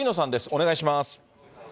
お願いします。